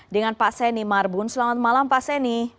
dengan pak seni marbun selamat malam pak seni